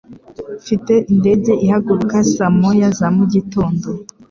Mfite indege ihaguruka saa moya za mugitondo